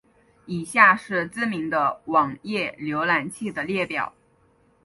以下是知名的网页浏览器的列表。